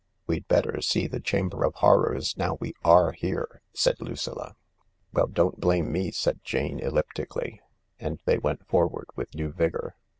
"We'd better see the Chamber of Horrors now we are here," said Lucilla. " Well, don't blame me !" said Jane elliptically, and they went forward with new vigour.